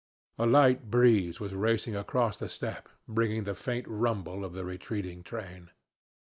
A light breeze was racing across the steppe, bringing the faint rumble of the retreating train.